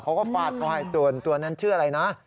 เขาก็ฝาดเขาให้ส่วนตัวนั้นเชื่ออะไรนะ